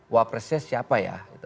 wah presiden siapa ya